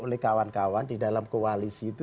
oleh kawan kawan di dalam koalisi itu